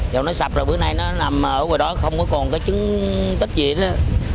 giờ nó sập rồi bữa nay nó nằm ở ngoài đó không có còn cái chứng tích gì nữa